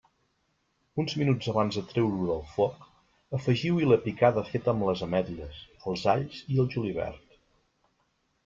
Uns minuts abans de treure-ho del foc, afegiu-hi la picada feta amb les ametlles, els alls i el julivert.